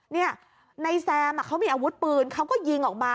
เนี่ยในแซมเขามีอาวุธปืนเขาก็ยิงออกมา